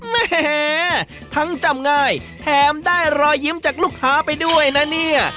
แหมทั้งจำง่ายแถมได้รอยยิ้มจากลูกค้าไปด้วยนะเนี่ย